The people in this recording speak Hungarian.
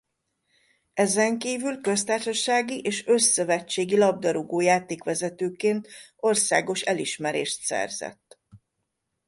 Ezenkívül köztársasági és össz-szövetségi labdarúgó-játékvezetőként országos elismerést szerzett.